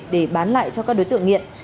để bán lại cho các đối tượng nghiện